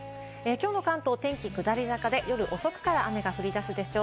きょうの関東、天気下り坂で、夜遅くから雨が降り出すでしょう。